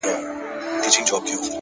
• له هنداري څه بېــخاره دى لوېـــدلى؛